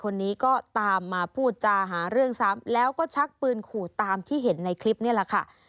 แล้วก็ชักปืนขู่ตามที่เห็นในคลิปนี้แหละค่ะ